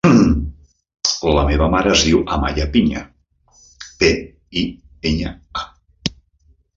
La meva mare es diu Amaya Piña: pe, i, enya, a.